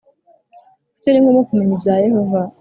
Kuki ari ngombwa kumenya ibya yehova